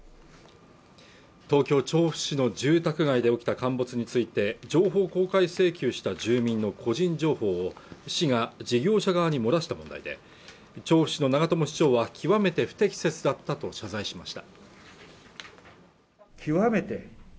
東京調布市の住宅街で起きた陥没について情報公開請求した住民の個人情報を市が事業者側に漏らした問題で調布市の長友市長は極めて不適切だったと謝罪しました